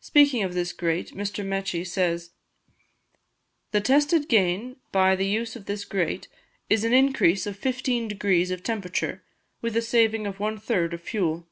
Speaking of this grate, Mr. Mechi says: "The tested gain by the use of this grate is an increase of 15 degrees of temperature, with a saving of one third in fuel.